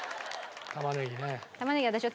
玉ねぎね。